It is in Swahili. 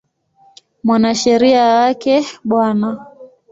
Mwanasheria wake Bw.